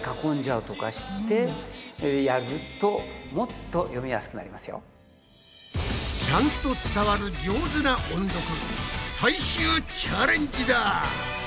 ここで古川さんからちゃんと伝わる上手な音読最終チャレンジだ！